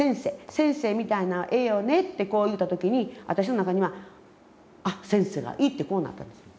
先生みたいなんええよねってこう言うた時に私の中には「あっ先生がいい」ってこうなったんです。